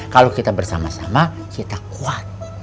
kalau kita bersama sama kita kuat